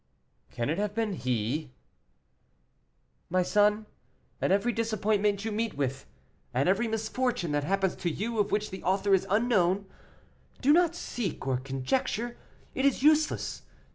"Can it have been he?" "My son, at every disappointment you meet with, at every misfortune that happens to you of which the author is unknown, do not seek or conjecture; it is useless.